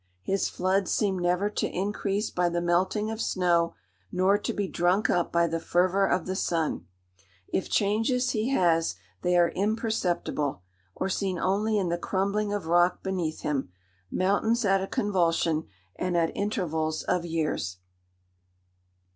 His floods seem never to increase by the melting of snow, nor to be drunk up by the fervour of the sun. If changes he has, they are imperceptible, or seen only in the crumbling of rock beneath him, mountains at a convulsion, and at intervals of years.